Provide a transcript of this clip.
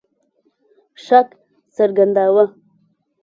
شک څرګنداوه.